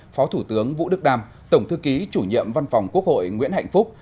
phó thủ tướng vũ đức đam tổng thư ký chủ nhiệm văn phòng quốc hội nguyễn hạnh phúc